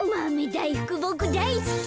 だいふくボクだいすき。